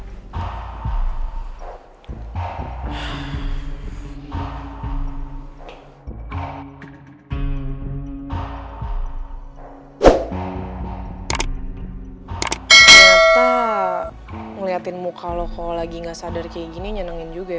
ternyata ngeliatin mu kalau lagi nggak sadar kayak gini nyenengin juga ya